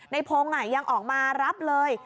ในพงศ์ยังออกมารับเลย